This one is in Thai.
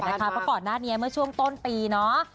เพราะก่อนหน้านี้เมื่อช่วงต้นปีเนาะ